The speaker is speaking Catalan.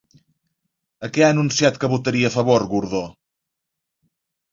A què ha anunciat que votaria a favor Gordó?